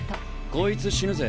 こいつ死ぬぜ。